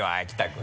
君